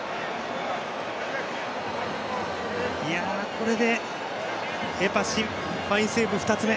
これで、エパシファインセーブ２つ目。